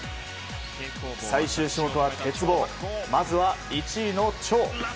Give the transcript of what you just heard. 最終勝負は鉄棒まずは１位のチョウ。